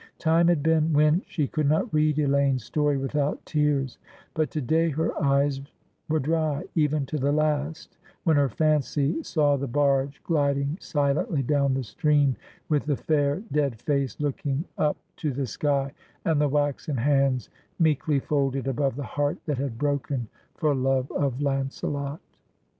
Time had been when she could not read Elaine's story without tears, but to day her eyes were dry, even to the last, when her fancy saw the barge gliding silently down the stream, with the fair dead face looking up to the sky, and the waxen hands meekly folded above the heart that had broken for love of Launcelot.